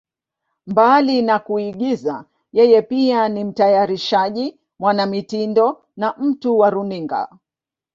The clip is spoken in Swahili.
Mbali na kuigiza, yeye pia ni mtayarishaji, mwanamitindo na mtu wa runinga.